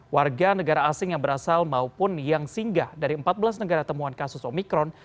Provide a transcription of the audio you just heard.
warga negara asing yang berasal maupun yang singgah dari empat belas negara temuan kasus omikron